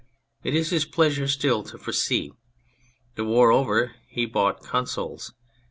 It is his pleasure still to foresee. The war over, he bought Consols.